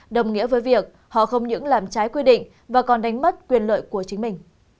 đồng nghĩa với việc họ không những làm trái quy định và còn đánh mất quyền lợi của chính mình